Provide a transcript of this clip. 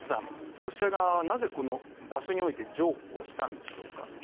ロシア側はなぜ場所において譲歩したんでしょうか。